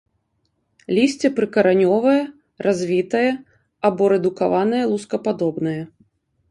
Лісце прыкаранёвае, развітае або рэдукаванае лускападобнае.